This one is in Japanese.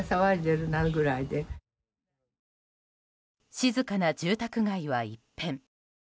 静かな住宅街は一変。